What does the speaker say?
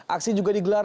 aksi juga digelar